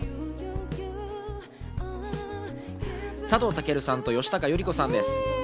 佐藤健さんと吉高由里子さんです。